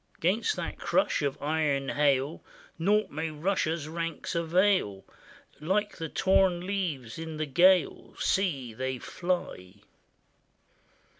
'Gainst that crush of iron hail Naught may Russia's ranks avail; Like the torn leaves in the gale, See, they fly!